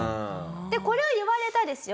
でこれを言われたですよ